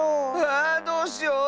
あどうしよう。